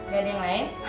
gak ada yang lain